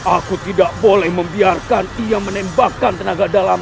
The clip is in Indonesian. aku tidak boleh membiarkan ia menembakkan tenaga dalam